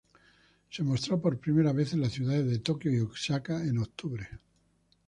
Se mostró por primera vez en las ciudades de Tokio y Osaka en octubre.